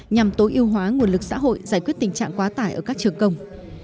nhằm tối ưu hóa nguồn lực xã hội giải quyết tình trạng quá tải ở các trường công